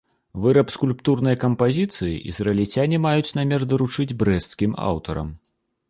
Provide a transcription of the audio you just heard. Выраб скульптурнай кампазіцыі ізраільцяне маюць намер даручыць брэсцкім аўтарам.